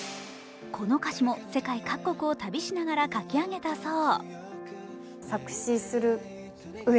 この歌詞も世界各国を旅しながら書き上げたそう。